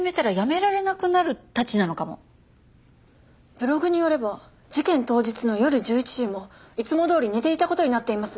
ブログによれば事件当日の夜１１時もいつもどおり寝ていた事になっています。